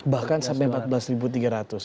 bahkan sampai empat belas tiga ratus gitu